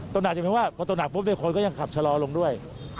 จะหมายถึงว่าตกหนักเรื่องคนนี้ก็ยังขับชะลอลงด้วย